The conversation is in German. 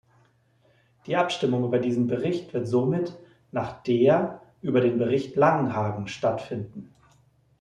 Die Abstimmung über diesen Bericht wird somit nach der über den Bericht Langenhagen stattfinden.